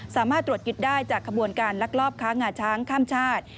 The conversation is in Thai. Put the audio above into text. สามารถตรวจยึดได้จากขบวนการลักลอบค้างาช้างข้ามชาติ